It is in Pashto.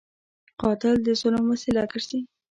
قاتل د ظلم وسیله ګرځي